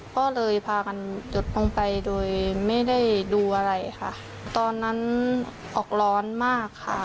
ก็เลยพากันจดลงไปโดยไม่ได้ดูอะไรค่ะตอนนั้นออกร้อนมากค่ะ